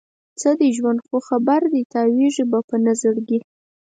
څه دی ژوند؟ خو جبر دی، تاویږې به په نه زړګي